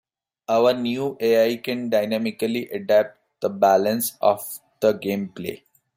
Our new AI can dynamically adapt the balance of the gameplay.